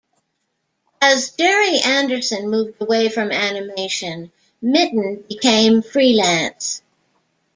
As Gerry Anderson moved away from animation, Mitton became freelance.